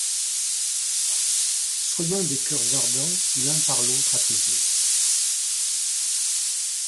Soyons des coeurs ardents l'un par l'autre apaisés.